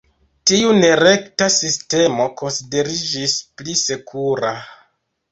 Tiu nerekta sistemo konsideriĝis "pli sekura".